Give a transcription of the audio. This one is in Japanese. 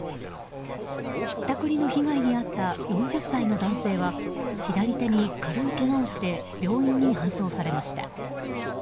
ひったくりの被害に遭った４０歳の男性は左手に軽いけがをして病院に搬送されました。